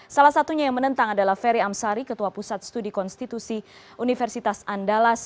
salah satunya yang menentang adalah ferry amsari ketua pusat studi konstitusi universitas andalas